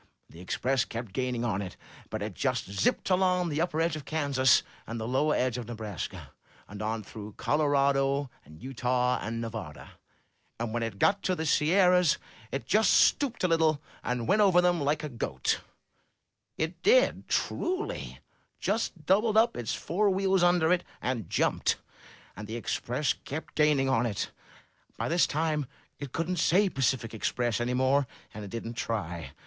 The Express kept gaining on it. But it just zipped along the upper edge of Kansas and the lower edge of Nebraska, and on through Colorado and Utah and Nevada, and when it got to the Sierras it just stooped a little, and went over them like a goat; it did, truly; just doubled up its fore wheels under it, and jumped. And the Express kept gaining on it. By this time it couldn't say Tacific Express' any more, and it didn't try.